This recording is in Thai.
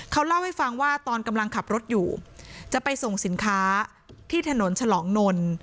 เขาเล่าให้ฟังว่าตอนกำลังขับรถอยู่จะไปส่งสินค้าที่ถนนฉลองนนท์